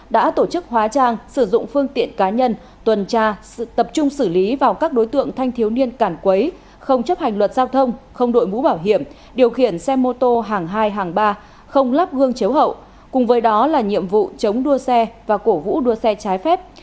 đã tổ chức hóa trang sử dụng phương tiện cá nhân tuần tra tập trung xử lý vào các đối tượng thanh thiếu niên cản quấy không chấp hành luật giao thông không đội mũ bảo hiểm điều khiển xe mô tô hàng hai hàng ba không lắp gương chếu hậu cùng với đó là nhiệm vụ chống đua xe và cổ vũ đua xe trái phép